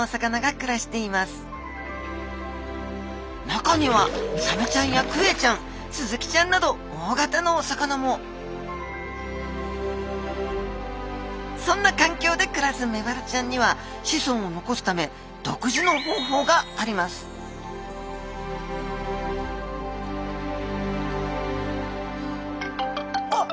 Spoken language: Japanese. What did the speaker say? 中にはサメちゃんやクエちゃんスズキちゃんなど大型のお魚もそんなかんきょうで暮らすメバルちゃんには子孫を残すため独自の方法がありますあっ